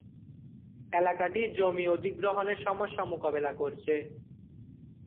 এলাকাটি জমি অধিগ্রহণের সমস্যা মোকাবিলা করছে।